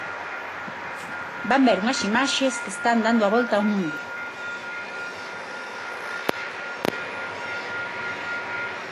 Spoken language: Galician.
Van ver unhas imaxes que están dando a volta ao mundo.